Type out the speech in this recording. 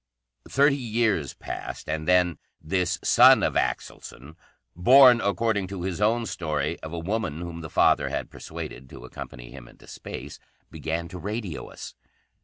"Thirty years passed, and then this son of Axelson, born, according to his own story, of a woman whom the father had persuaded to accompany him into Space, began to radio us.